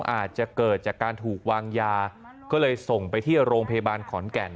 อาจจะเกิดจากการถูกวางยาก็เลยส่งไปที่โรงพยาบาลขอนแก่น